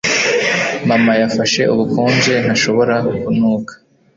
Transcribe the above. Mama yafashe ubukonje ntashobora kunuka